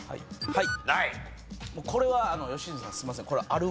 はい。